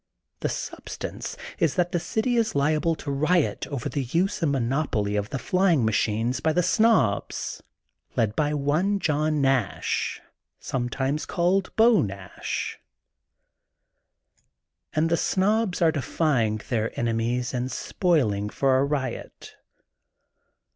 The substance is that the city is liable to a riot over the use and mon opoly of the flying machines by the Snobs, led by one John Nash, sometimes called Beau Nash, and the Snobs are defying their ene mies and spoiling for a riot.